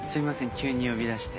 急に呼び出して。